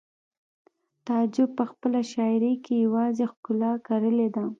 تعجب په خپله شاعرۍ کې یوازې ښکلا کرلې ده